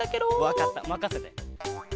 わかったまかせて！